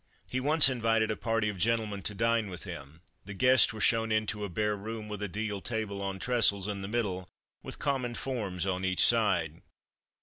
He once invited a party of gentlemen to dine with him. The guests were shown into a bare room with a deal table on trestles in the middle, with common forms on each side.